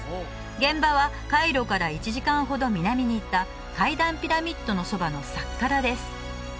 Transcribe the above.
現場はカイロから１時間ほど南に行った階段ピラミッドのそばのサッカラです